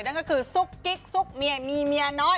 นั่นก็คือซุกกิ๊กซุกเมียมีเมียน้อย